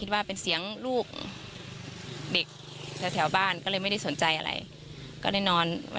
แม่จ๊า